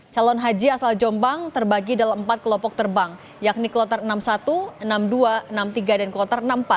calon haji asal jombang terbagi dalam empat kelompok terbang yakni kloter enam puluh satu enam puluh dua enam puluh tiga dan kloter enam puluh empat